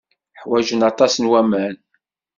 Ḥwajen aṭas n waman.